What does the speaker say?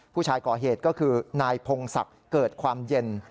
ผู้ก่อเหตุก็คือนายพงศักดิ์เกิดความเย็น